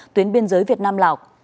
tuyến biên giới việt nam lào